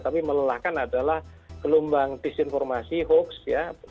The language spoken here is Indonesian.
tapi melelahkan adalah gelombang disinformasi hoax ya